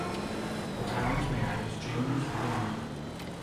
The town's mayor is James Rinde.